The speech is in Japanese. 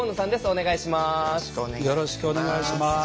お願いします。